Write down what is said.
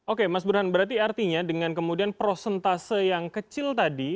oke mas burhan berarti artinya dengan kemudian prosentase yang kecil tadi